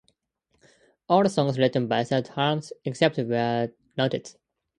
All songs written by Stuart Hamm, except where noted.